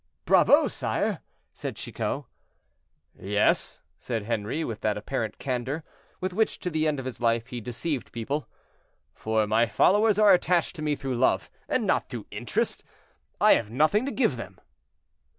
"Bravo, sire!" said Chicot. "Yes," said Henri, with that apparent candor, with which to the end of his life he deceived people, "for my followers are attached to me through love, and not through interest; I have nothing to give them."